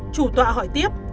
chủ tọa hỏi tiếp